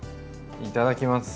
いただきます。